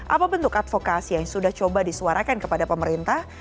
apa bentuk advokasi yang sudah coba disuarakan kepada pemerintah